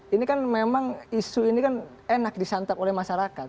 ini kan memang isu ini kan enak disantap oleh masyarakat